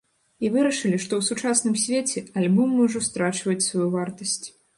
І вырашылі, што ў сучасным свеце альбомы ўжо страчваюць сваю вартасць.